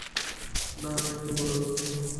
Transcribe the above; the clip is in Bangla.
না, আরো একজন বড়ো লোক।